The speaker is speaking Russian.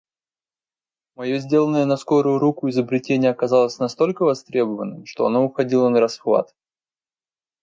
Моё сделанное на скорую руку изобретение оказалось настолько востребованным, что оно уходило нарасхват.